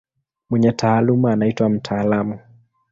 Mwenye taaluma anaitwa mtaalamu.